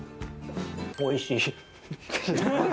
おいしい。